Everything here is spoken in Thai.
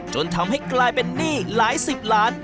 จนทำให้กลายเป็นหนี้หลายสิบล้าน